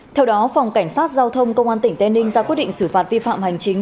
theo đó phòng cảnh sát giao thông công an tỉnh tây ninh ra quyết định xử phạt vi phạm hành chính